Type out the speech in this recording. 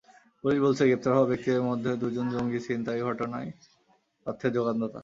Police বলছে, গ্রেপ্তার হওয়া ব্যক্তিদের মধ্যে দুজন জঙ্গি ছিনতাই ঘটনায় অর্থের জোগানদাতা।